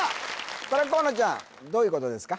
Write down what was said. これ河野ちゃんどういうことですか？